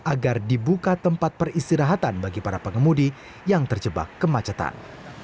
agar dibuka tempat peristirahatan bagi para pengemudi yang terjebak kemacetan